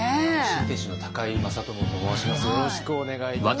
新店主の高井正智と申します。